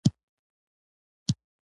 دغله په غره کی نه ځاييږي